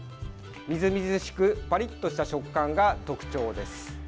みずみずしくパリッとした食感が特徴です。